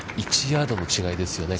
１ヤードの違いですよね。